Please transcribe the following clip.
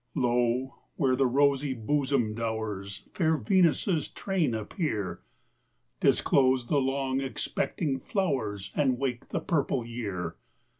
Lo! where the rosy bosom'd Hours, Fair Venus' train, appear, Disclose the long expecting flowers And wake the purple year!